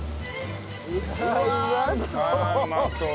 うわっうまそう！